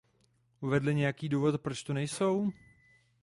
Uvedli nějaké důvody, proč tu nejsou?